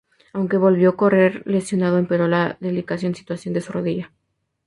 Aunque volvió, correr lesionado empeoró la delicada situación de su rodilla.